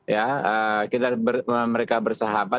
ya kita mereka bersahabat